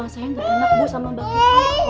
saya nggak pernah bu sama mbak kiki